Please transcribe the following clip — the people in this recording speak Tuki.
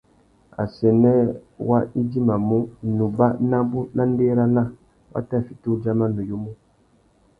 Assênē wá idjimamú, nubá nabú na ndérana, wa tà fiti udjama nuyumu.